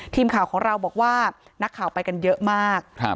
ทีมข่าวของเราบอกว่านักข่าวไปกันเยอะมาก